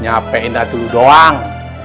nyapain aja dulu doang